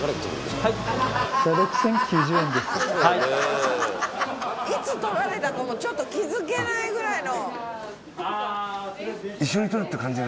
いつ撮られたかもちょっと気づけないくらいの。